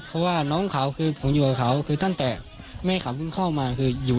เพราะว่าน้องเขาคือผมอยู่กับเขาคือตั้งแต่แม่เขาเพิ่งเข้ามาคืออยู่